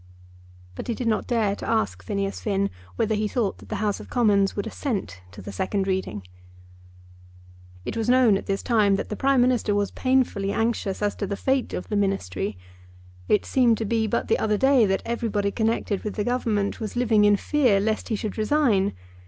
But he did not dare to ask Phineas Finn whether he thought that the House of Commons would assent to the second reading. It was known at this time that the Prime Minister was painfully anxious as to the fate of the Ministry. It seemed to be but the other day that everybody connected with the Government was living in fear lest he should resign.